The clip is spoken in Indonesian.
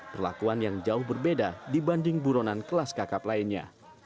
perlakuan yang jauh berbeda dibanding buronan kelas kakap lainnya